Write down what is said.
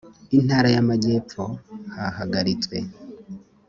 intara y amajyepfo hahagaritswe